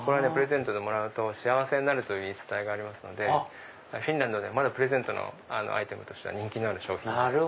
プレゼントでもらうと幸せになるという言い伝えがありますのでフィンランドでプレゼントのアイテムとしては人気のある商品。